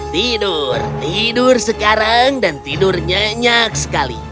tidur tidur sekarang dan tidur nyenyak sekali